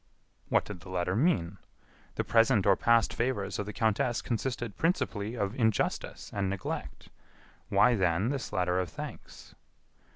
What did the letter mean? The present or past favors of the countess consisted principally of injustice and neglect. Why, then, this letter of thanks?